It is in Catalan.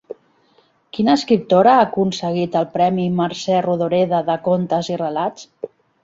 Quina escriptora ha aconseguit el premi Mercè Rodoreda de contes i relats?